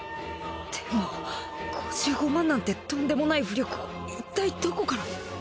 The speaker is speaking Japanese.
でも５５万なんてとんでもない巫力をいったいどこから？